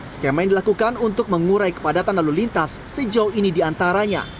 skema yang dilakukan untuk mengurai kepadatan lalu lintas sejauh ini diantaranya